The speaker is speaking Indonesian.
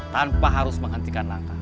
tanpa harus menghentikan langkah